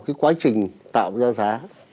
cái quá trình tạo ra giá